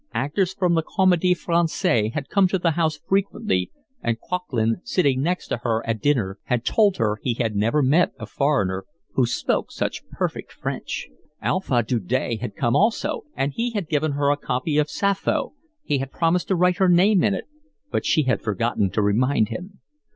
Actors from the Comedie Francaise had come to the house frequently, and Coquelin, sitting next her at dinner, had told her he had never met a foreigner who spoke such perfect French. Alphonse Daudet had come also, and he had given her a copy of Sappho: he had promised to write her name in it, but she had forgotten to remind him.